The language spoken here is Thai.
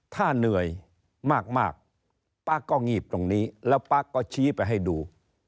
ถ้าเหนื่อยมากป๊าก็งีบตรงนี้แล้วป๊าก็ชี้ไปให้ดู